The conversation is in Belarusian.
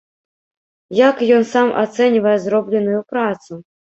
Як ён сам ацэньвае зробленую працу?